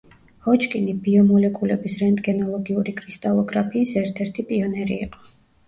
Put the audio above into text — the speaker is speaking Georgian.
ჰოჯკინი ბიომოლეკულების რენტგენოლოგიური კრისტალოგრაფიის ერთ-ერთი პიონერი იყო.